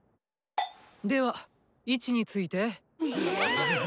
では位置について。